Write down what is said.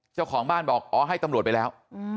เจ้าของบ้านบอกอ๋อให้ตำรวจไปแล้ว